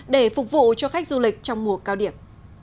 để phục vụ cho khách du lịch trong mùa cao điểm